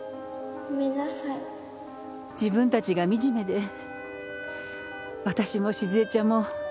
自分たちが惨めで私も静江ちゃんも泣いてしまって。